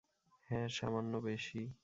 হ্যা, সামান্য বেশি।